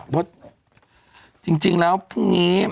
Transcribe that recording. เพราะจริงแล้วพรุ่งนี้